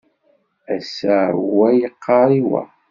Ass-a wa yeqqar i wa.